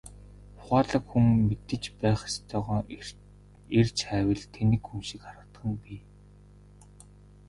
Ухаалаг хүн мэдэж байх ёстойгоо эрж хайвал тэнэг хүн шиг харагдах нь бий.